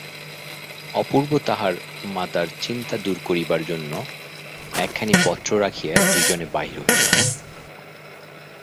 অপূর্ব তাহার মাতার চিন্তা দূর করিবার জন্য একখানি পত্র রাখিয়া দুইজনে বাহির হইল।